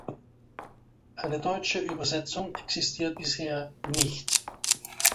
Eine deutsche Übersetzung existiert bisher nicht.